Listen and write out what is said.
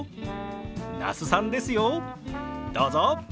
どうぞ！